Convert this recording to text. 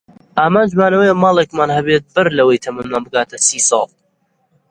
ئامانجمان ئەوەیە ماڵێکمان هەبێت بەر لەوەی تەمەنمان بگاتە سی ساڵ.